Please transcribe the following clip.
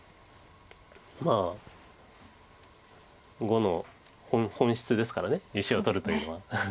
碁の本質ですから石を取るというのは。